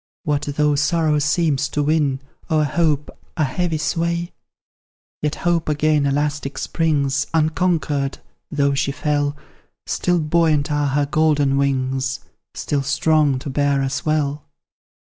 What though sorrow seems to win, O'er hope, a heavy sway? Yet Hope again elastic springs, Unconquered, though she fell; Still buoyant are her golden wings, Still strong to bear us well.